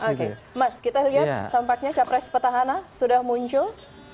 oke mas kita lihat tampaknya capres petahana sudah muncul